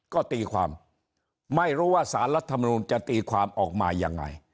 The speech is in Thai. ก็ตีความไม่รู้ว่าสารรัฐมนูลจะตีความออกมายังไง